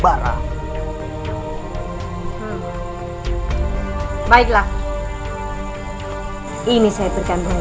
ibu tahu sendiri empat orang anak bu aku tidak ada apa apanya bu rosmina